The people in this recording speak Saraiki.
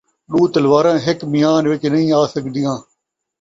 ݙو تلواراں ہک میان وِچ نئیں آ سڳدیاں